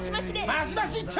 マシマシ一丁！